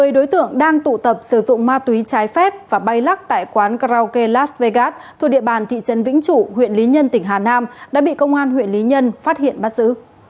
một mươi đối tượng đang tụ tập sử dụng ma túy trái phép và bay lắc tại quán karaoke las vegas thuộc địa bàn thị trấn vĩnh trụ huyện lý nhân tỉnh hà nam đã bị công an huyện lý nhân phát hiện bắt giữ